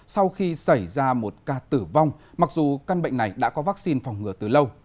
sau khi xảy ra một ca tử vong mặc dù căn bệnh này đã có vaccine phòng ngừa từ lâu